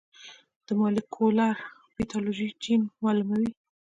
د مولېکولر پیتالوژي جین معلوموي.